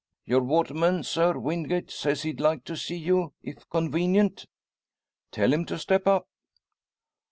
"Your waterman, sir, Wingate, says he'd like to see you, if convenient?" "Tell him to step up!"